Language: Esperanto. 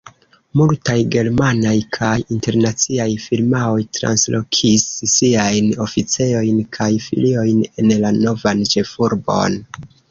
Multaj germanaj kaj internaciaj firmaoj translokis siajn oficejojn kaj filiojn en la novan ĉefurbon.